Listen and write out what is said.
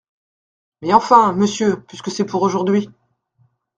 Mais enfin, monsieur, puisque c’est pour aujourd’hui.